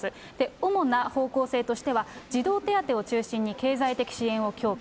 主な方向性としては、児童手当を中心に、経済的支援を強化。